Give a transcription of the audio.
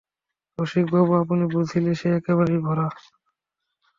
রসিকবাবু, আপনার ঝুলি যে একেবারে ভরা।